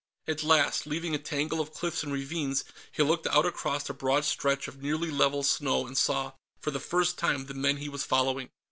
At last, leaving a tangle of cliffs and ravines, he looked out across a broad stretch of nearly level snow and saw, for the first time, the men he was following.